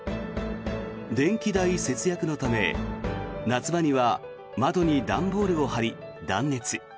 電気代節約のため夏場には窓に段ボールを張り断熱。